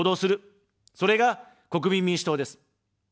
それが、国民民主党です。